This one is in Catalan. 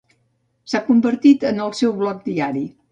S'ha convertit en el seu blog diari.